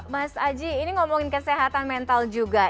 mas aji ini ngomongin kesehatan mental juga